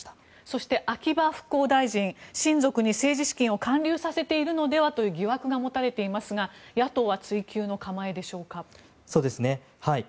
そして秋葉復興大臣親族に政治資金を還流させているのではという疑惑が持たれていますが野党は追及の構えでしょうか。